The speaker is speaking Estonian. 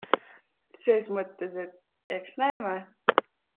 Ses mõttes, et eks näeme.